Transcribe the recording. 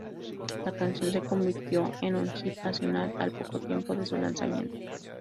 La canción se convirtió en un hit nacional al poco tiempo de su lanzamiento.